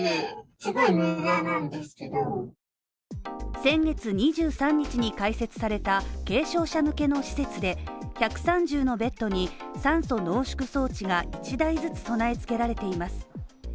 先月２３日に開設された軽症者向けの施設で１３０のベッドに酸素濃縮装置が１台ずつ備え付けられています